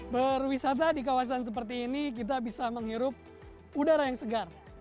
berwisata di kawasan seperti ini kita bisa menghirup udara yang segar